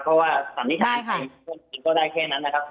เพราะว่าศัพท์นิวสารสินก็ได้แค่นั้นนะครับ